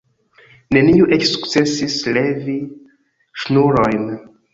Neniu eĉ sukcesis levi ŝnurojn.